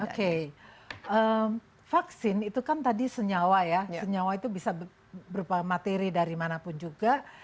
oke vaksin itu kan tadi senyawa ya senyawa itu bisa berupa materi dari mana pun juga